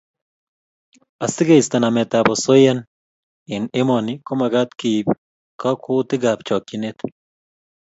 Asikeisto nametab osoyaini eng emoni komagat keib kakwautietab chokchinet